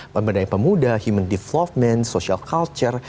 pemberdayaan pemuda human development social culture